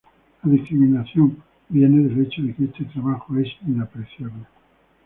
La discriminación viene del hecho de que este trabajo es inapreciable.